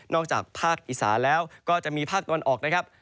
นอกจากภาคอีสานแล้วก็จะมีภาคตะวันออก